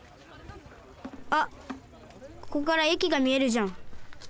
あっここからえきがみえるじゃん。